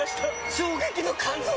衝撃の感動作！